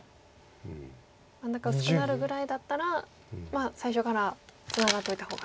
真ん中薄くなるぐらいだったらまあ最初からツナがっておいた方がと。